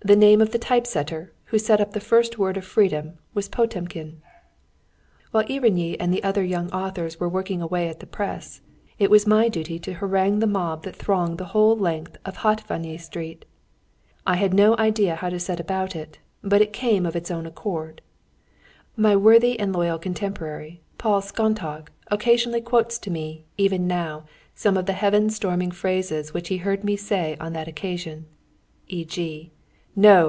The name of the typesetter who set up the first word of freedom was Potemkin. While Irinyi and other young authors were working away at the press, it was my duty to harangue the mob that thronged the whole length of Hatváni Street. I had no idea how to set about it, but it came of its own accord. My worthy and loyal contemporary, Paul Szontagh, occasionally quotes to me, even now, some of the heaven storming phrases which he heard me say on that occasion; e.g., "... No!